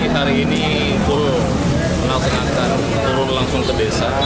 hari ini turun langsung akan turun langsung ke desa